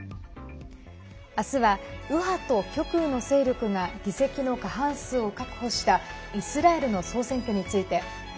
明日は右派と極右の勢力が議席の過半数を確保したイスラエルの総選挙について。